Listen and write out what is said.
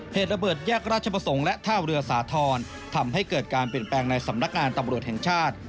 เหตุระเบิดแยกราชประสงค์และท่าเรือสาธรณ์ทำให้เกิดการเปลี่ยนแปลงในสำนักงานตำรวจแห่งชาติ